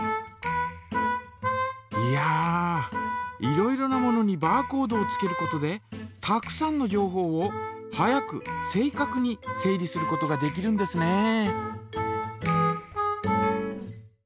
いやいろいろなものにバーコードをつけることでたくさんの情報を早く正かくに整理することができるんですね。